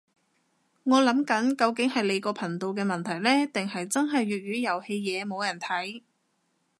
我諗緊究竟係你個頻道嘅問題呢，定係真係粵語遊戲嘢冇人睇